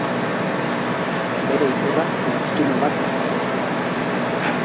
Bere ikurra Neptuno bat izan zen.